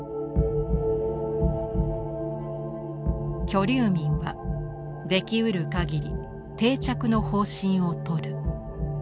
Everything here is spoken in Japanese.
「居留民はできうる限り定着の方針をとる」。